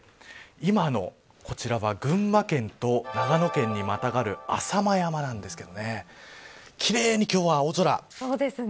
今のこちらは、群馬県と長野県に跨る浅間山なんですけど奇麗に今日は青空。